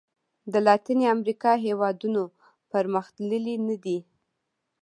د لاتیني امریکا هېوادونو پرمختللي نه دي.